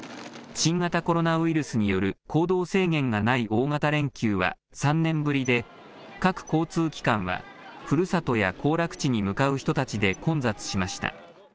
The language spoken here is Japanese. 新型コロナウイルスによる行動制限がない大型連休は３年ぶりで、各交通機関は、ふるさとや行楽地に向かう人たちで混雑しました。